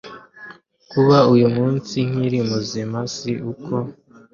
kuba uyu munsi, nkiri muzima, si uko